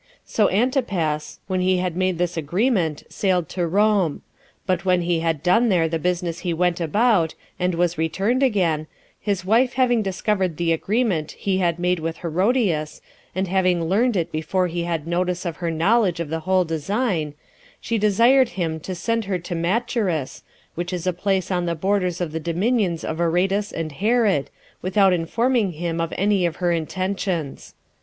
So Antipas, when he had made this agreement, sailed to Rome; but when he had done there the business he went about, and was returned again, his wife having discovered the agreement he had made with Herodias, and having learned it before he had notice of her knowledge of the whole design, she desired him to send her to Macherus, which is a place in the borders of the dominions of Aretas and Herod, without informing him of any of her intentions.